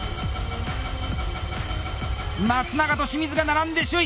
松永と清水が並んで首位！